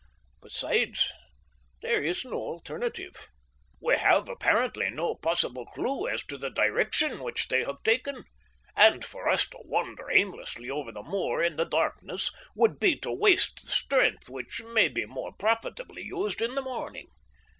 Besides, there is no alternative. We have, apparently, no possible clue as to the direction which they have taken, and for us to wander aimlessly over the moor in the darkness would be to waste the strength which may be more profitably used in the morning.